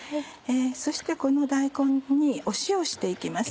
そしてこの大根に塩をして行きます。